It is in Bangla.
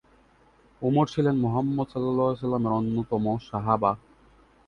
উমর ছিলেন মুহাম্মদ এর অন্যতম সাহাবা।